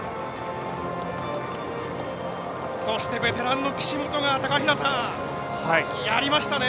そして、ベテランの岸本が高平さん、やりましたね！